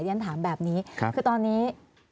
อย่างนั้นถามแบบนี้คือตอนนี้